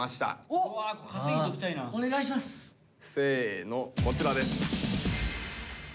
せのこちらです。